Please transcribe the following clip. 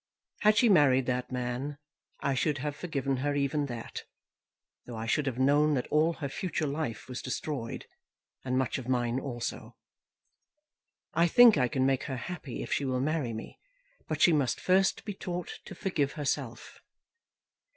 Had she married that man, I should have forgiven her even that, though I should have known that all her future life was destroyed, and much of mine also. I think I can make her happy if she will marry me, but she must first be taught to forgive herself.